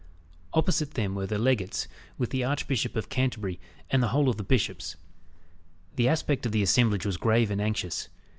Opposite them were the legates, with the Archbishop of Canterbury, and the whole of the bishops. The aspect of the assemblage was grave and anxious.